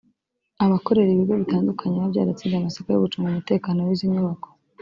Abakorera ibigo bitandukanye biba byaratsindiye amasoko yo gucunga umutekano w’izi nyubako